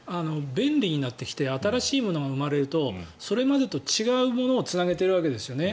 便利になってきて新しいものが生まれるとそれまでと違うものをつなげているわけですよね。